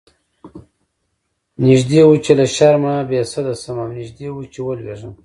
نږدې و چې له شرمه بې سده شم او نږدې و چې ولويږم.